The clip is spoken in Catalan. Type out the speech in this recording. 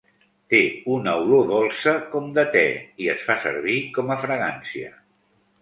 Té una olor dolça, com de te, i es fa servir com a fragància.